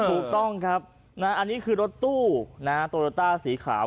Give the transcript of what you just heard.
ถูกต้องครับอันนี้คือรถตู้โตโยต้าสีขาว